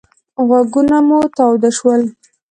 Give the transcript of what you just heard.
غوږونه مو تاوده شول.